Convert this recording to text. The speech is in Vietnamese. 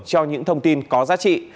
cho những thông tin có giá trị